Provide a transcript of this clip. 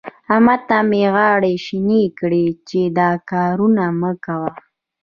احمد ته مې غاړې شينې کړې چې دا کارونه مه کوه.